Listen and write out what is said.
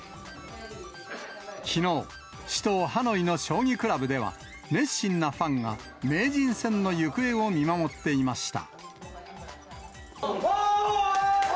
きのう、首都ハノイの将棋クラブでは、熱心なファンが名人戦の行方を見守っていました。